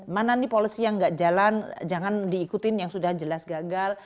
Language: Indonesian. mana nih policy yang nggak jalan jangan diikutin yang sudah jelas gagal